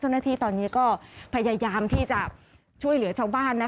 เจ้าหน้าที่ตอนนี้ก็พยายามที่จะช่วยเหลือชาวบ้าน